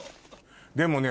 でもね